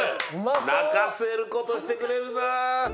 泣かせる事してくれるな！